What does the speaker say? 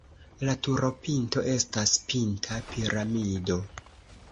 La turopinto estas pinta piramido.